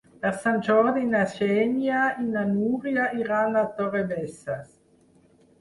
Per Sant Jordi na Xènia i na Núria iran a Torrebesses.